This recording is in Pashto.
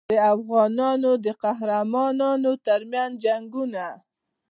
د افغانانو د قهرمانانو ترمنځ جنګونه.